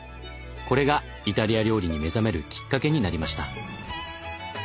これがイタリア料理に目覚めるきっかけになりました。